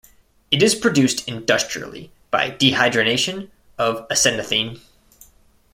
It is produced industrially by dehydrogenation of acenaphthene.